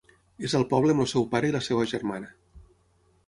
És al poble amb el seu pare i la seva germana.